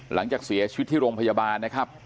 หลังจากเสียชีวิตที่โรงพยาบาลนะครับ